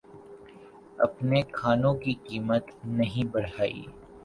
اپنے کھانوں کی قیمت نہیں بڑھائی